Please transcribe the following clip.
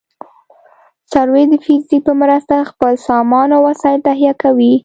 سروې د فزیک په مرسته خپل سامان او وسایل تهیه کوي